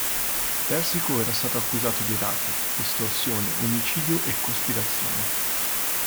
Persico era stato accusato di racket, estorsione, omicidio e cospirazione.